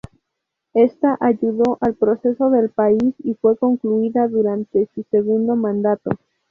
Esta ayudó al progreso del país y fue concluida durante su segundo mandato.